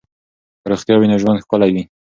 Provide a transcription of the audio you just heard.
که روغتیا وي نو ژوند ښکلی وي.